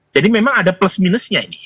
jadi memang ada plus minusnya ini